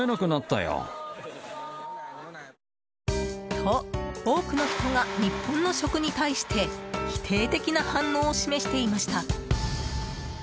と、多くの人が日本の食に対して否定的な反応を示していました。